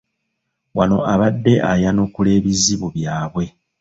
Wano abadde ayanukula ebizibu byabwe.